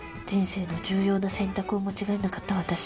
人生の重要な選択を間違えなかった私。